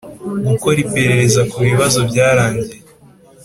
Gukora iperereza ku bibazo byarangiye.